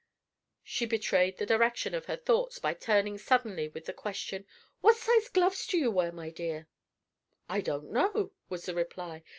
She betrayed the direction of her thoughts by turning suddenly with the question, "What sized gloves do you wear, my dear?" "I don't know," was the reply.